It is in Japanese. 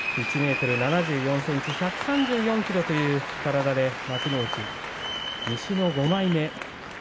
１ｍ７４ｃｍ１３４ｋｇという小柄で幕内西の５枚目。